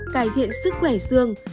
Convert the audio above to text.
cải thiện sức khỏe xương